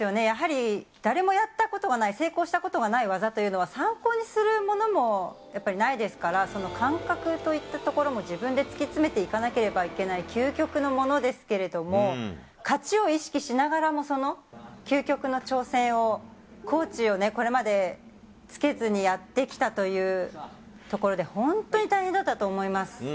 やはり誰もやったことがない、成功したことがない技というのは、参考にするものもやっぱりないですから、感覚といったところも自分で突き詰めていかなければいけない、究極のものですけれども、勝ちを意識しながらも、その究極の挑戦をコーチをこれまでつけずにやってきたというところで、本当に大変だったと思います。